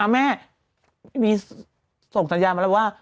อ๋อแม่มีส่งสัญญาบันแล้วว่า